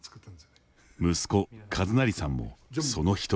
息子、和成さんもその一人。